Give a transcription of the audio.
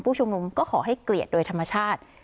ชุมนุมก็ขอให้เกลียดโดยธรรมชาติ